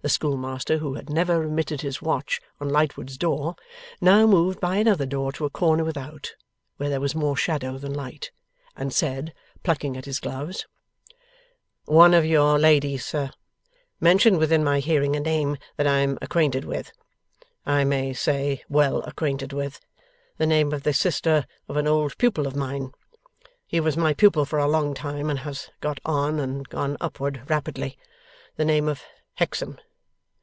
The schoolmaster, who had never remitted his watch on Lightwood's door, now moved by another door to a corner without, where there was more shadow than light; and said, plucking at his gloves: 'One of your ladies, sir, mentioned within my hearing a name that I am acquainted with; I may say, well acquainted with. The name of the sister of an old pupil of mine. He was my pupil for a long time, and has got on and gone upward rapidly. The name of Hexam.